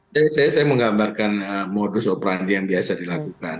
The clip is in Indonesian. jadi saya menggambarkan modus operandi yang biasa dilakukan